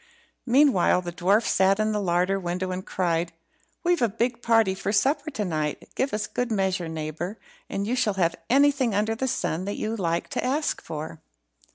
Meanwhile the dwarf sat in the larder window and cried "We've a big party for supper to night; give us good measure, neighbour, and you shall have anything under the sun that you like to ask for."